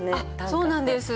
そうなんです。